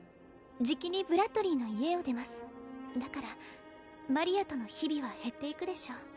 じきにブラッドリィの家を出ますだからマリアとの日々は減っていくでしょう